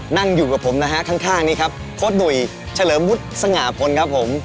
นั่งอยู่กับผมข้างนี้ครับโครตหนุ่ยเชลมุดซงอพลครับผม